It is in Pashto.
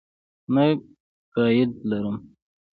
نه ګائیډ لرم.